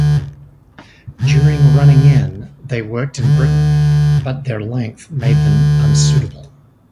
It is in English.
During running-in they worked in Britain, but their length made them unsuitable.